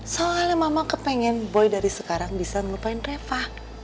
soalnya mama kepengen boy dari sekarang bisa melupain reva